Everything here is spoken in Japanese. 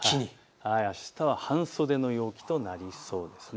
あしたは半袖の陽気となりそうです。